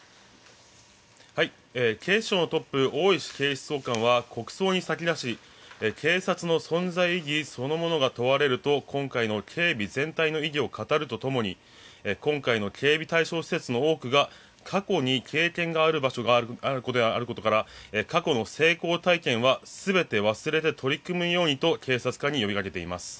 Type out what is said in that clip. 警視庁のトップ大石警視総監は国葬に先立ち警察の存在意義そのものが問われると今回の警備全体の意義を語るとともに今回の警備対象施設の多くが過去に経験がある場所があることから過去の成功体験は全て忘れて取り組むようにと警察官に呼びかけています。